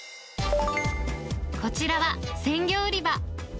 こちらは鮮魚売り場。